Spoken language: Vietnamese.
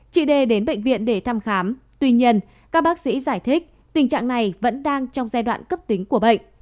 chị đê đến bệnh viện để thăm khám tuy nhiên các bác sĩ giải thích tình trạng này vẫn đang trong giai đoạn cấp tính của bệnh